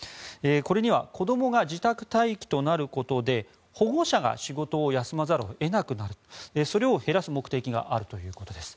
これには子どもが自宅待機となることで保護者が仕事を休まざるを得なくなるそれを減らす目的があるということです。